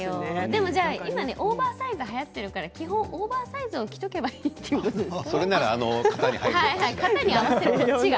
でも今、オーバーサイズがはやってるから基本のオーバーサイズを着ておけばいいんですかね。